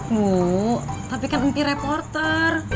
mu tapi kan empi reporter